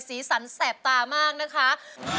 สีสันแสบตามากนะคะ